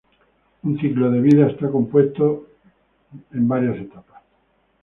Un ciclo de vida está compuesto en varias etapas.